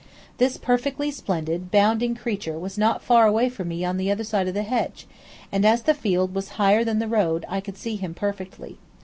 This perfectly splendid, bounding creature was not far away from me on the other side of the hedge, and as the field was higher than the road I could see him perfectly.